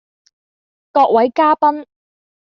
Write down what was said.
各位嘉賓